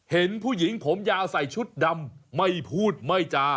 เห็นผู้หญิงผมยาวใส่ชุดดำไม่พูดไม่จา